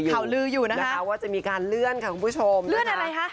ข่าวลืออยู่นะคะว่าจะมีการเลื่อนค่ะคุณผู้ชมเลื่อนอะไรคะ